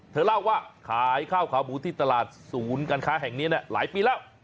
เธอเล่าว่าขายข้าวขาหมูที่ตลาดศูนย์การค้าแห่งนี้หลายปีแล้ว